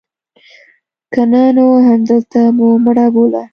که نه نو همدلته مو مړه بوله.